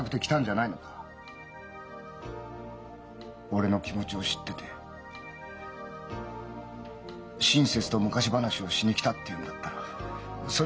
俺の気持ちを知ってて親切と昔話をしに来たっていうんだったらそれこそ本当ウソくさいよ！